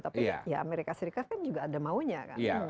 tapi ya amerika serikat kan juga ada maunya kan